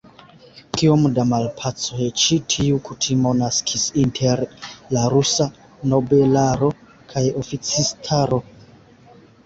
Kiom da malpacoj ĉi tiu kutimo naskis inter la rusa nobelaro kaj oficistaro!